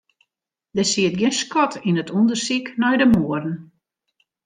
Der siet gjin skot yn it ûndersyk nei de moarden.